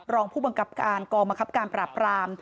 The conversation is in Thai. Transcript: รองผู้บังคับการกองบังคับการปราบราม